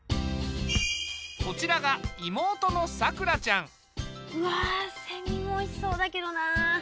こちらが妹のさくらちゃん。わセミもおいしそうだけどな。